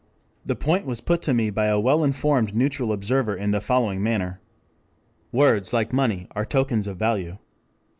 The point was put to me by a well informed neutral observer in the following manner. "Words, like money, are tokens of value.